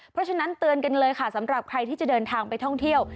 เพราะฉะนั้นเตือนกันเลยค่ะสำหรับใครที่จะเดินทางไปท่องเที่ยว